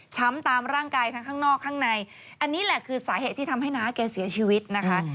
ตามร่างกายทั้งข้างนอกข้างในอันนี้แหละคือสาเหตุที่ทำให้น้าแกเสียชีวิตนะคะ